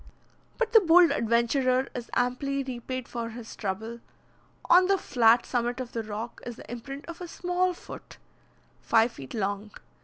But the bold adventurer is amply repaid for his trouble. On the flat summit of the rock is the imprint of a small foot, five feet long.